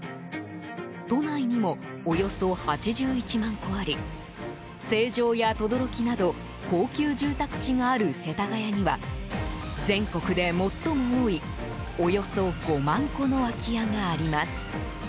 都内にも、およそ８１万戸あり成城や等々力など高級住宅地がある世田谷には全国で最も多い、およそ５万戸の空き家があります。